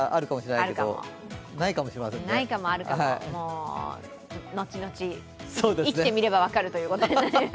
ないかもあるかも、後々、生きてみれば分かるということで。